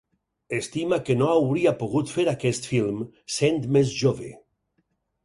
Estima que no hauria pogut fer aquest film sent més jove.